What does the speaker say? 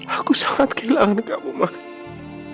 aku sangat kehilangan kamu mah